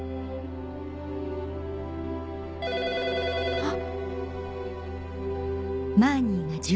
あっ。